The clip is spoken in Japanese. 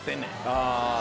ああ。